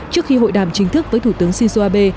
trước khi hội đàm chính thức với thủ tướng shinzo abe